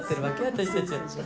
私たち。